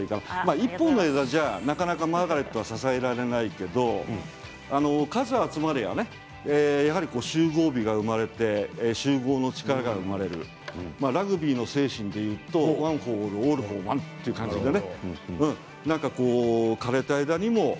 １本の枝では、なかなかマーガレットは支えられないけれど数が集まれば集合美が生まれて集合の力が生まれるラグビーの精神でいうとＯｎｅｆｏｒａｌｌＡｌｌｆｏｒｏｎｅという感じでね。